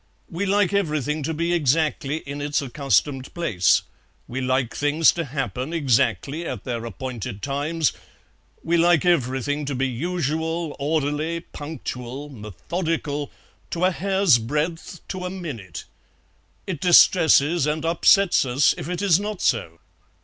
We like everything to be exactly in its accustomed place; we like things to happen exactly at their appointed times; we like everything to be usual, orderly, punctual, methodical, to a hair's breadth, to a minute. It distresses and upsets us if it is not so.